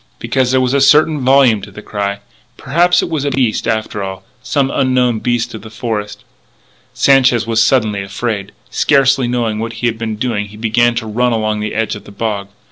Because there was a certain volume to the cry.... Perhaps it was a beast, after all.... Some unknown beast of the forest.... Sanchez was suddenly afraid. Scarcely knowing what he was doing he began to run along the edge of the bog.